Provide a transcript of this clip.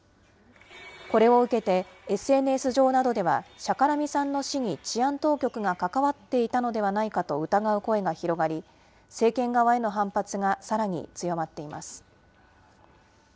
これを受けて、ＳＮＳ上などでは、シャカラミさんの死に治安当局が関わっていたのではないかと疑う声が広がり、政権側への反発がさらに強まっています。